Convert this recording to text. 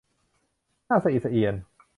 น่าสะอิดสะเอียน